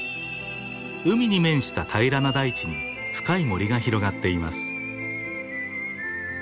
海に面した平らな大地に深い森が広がっています。